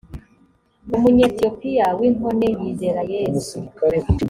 umunyetiyopiya w’inkone yizera yesu